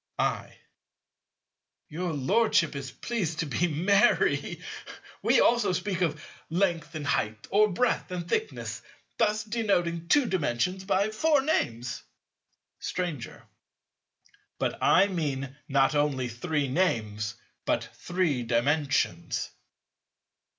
I. Your Lordship is pleased to be merry. We also speak of length and height, or breadth and thickness, thus denoting Two Dimensions by four names. Stranger. But I mean not only three names, but Three Dimensions.